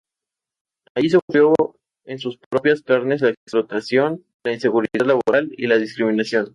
Allí sufrió en sus propias carnes la explotación, la inseguridad laboral y la discriminación.